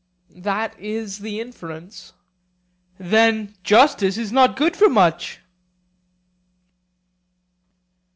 That is the inference. Then justice is not good for much.